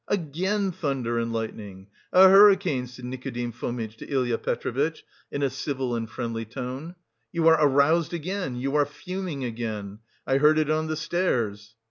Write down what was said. "Again thunder and lightning a hurricane!" said Nikodim Fomitch to Ilya Petrovitch in a civil and friendly tone. "You are aroused again, you are fuming again! I heard it on the stairs!"